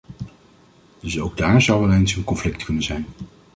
Dus ook dáár zou wel eens een conflict kunnen zijn.